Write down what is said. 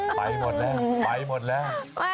ไปหมดแล้วไปหมดแล้ว